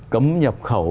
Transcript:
cấm nhập khẩu